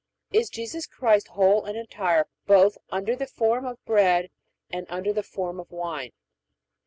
Is Jesus Christ whole and entire both under the form of bread and under the form of wine?